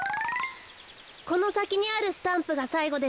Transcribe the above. このさきにあるスタンプがさいごです。